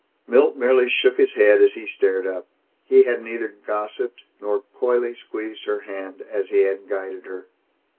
Milt merely shook his head as he stared up. He had neither gossiped nor coyly squeezed her hand as he had guided her.